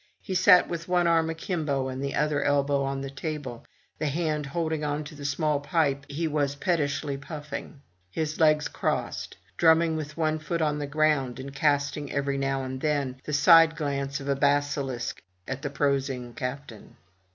He sat with one arm akimbo, the other elbow on the table, the hand holding on to the small pipe he was pettishly puffing; his legs crossed; drumming with one foot on the ground, and casting every now and then the side glance of a basilisk at the prosing captain.